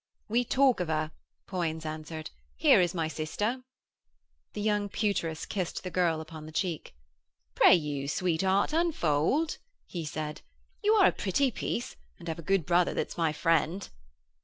'We talk of her,' Poins answered. 'Here is my sister.' The young Pewtress kissed the girl upon the cheek. 'Pray, you, sweetheart, unfold,' he said. 'You are a pretty piece, and have a good brother that's my friend.'